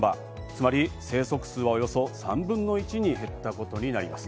つまり生息数はおよそ３分の１に減ったことになります。